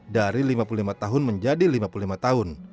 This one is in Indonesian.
dari lima puluh lima tahun ke lima puluh tahun